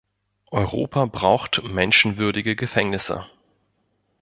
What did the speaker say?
Europa braucht menschenwürdige Gefängnisse.